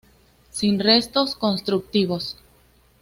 Sin restos constructivos.